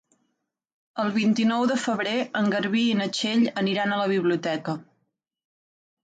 El vint-i-nou de febrer en Garbí i na Txell aniran a la biblioteca.